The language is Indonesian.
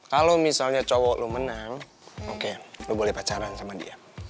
kalau misalnya cowok lu menang oke lo boleh pacaran sama dia